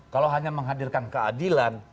kalau hanya menghadirkan keadilan